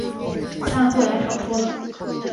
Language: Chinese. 但后来少说了